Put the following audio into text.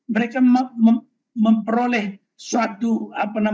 mereka memperoleh suatu perintah